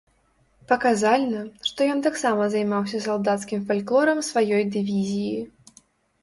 Паказальна, што ён таксама займаўся салдацкім фальклорам сваёй дывізіі.